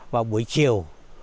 và buổi chiều